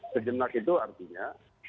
sejenak itu artinya